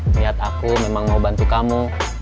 niat aku memang mau bantu kamu